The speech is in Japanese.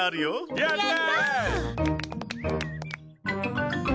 やったぁ！